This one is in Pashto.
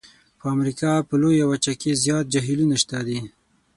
په امریکا په لویه وچه کې زیات جهیلونه شته دي.